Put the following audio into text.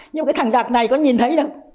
nhưng mà cái thằng giặc này có nhìn thấy đâu